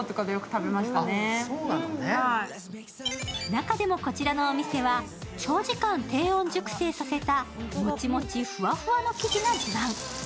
中でもこちらのお店は、長時間低温熟成させたもちもちフワフワの生地が自慢。